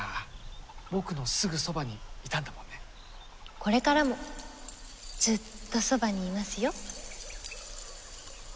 これからもずっとそばにいますよ。